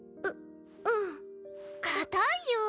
ううん。硬いよ！